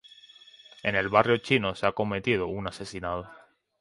En el barrio chino se ha cometido un asesinado.